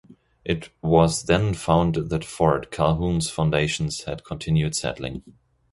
It was then found that Fort Calhoun's foundations had continued settling.